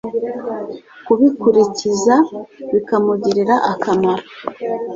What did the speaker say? kubikurikiza bikamugirira akamaro